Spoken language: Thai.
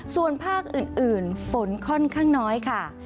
ส่วนภาคอื่นฝนค่อนข้างน้อยค่ะ